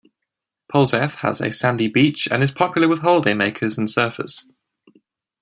Polzeath has a sandy beach and is popular with holiday-makers and surfers.